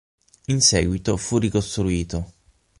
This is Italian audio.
In seguito fu ricostruito.